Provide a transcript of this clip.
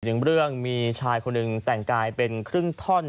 หนึ่งเรื่องมีชายคนหนึ่งแต่งกายเป็นครึ่งท่อน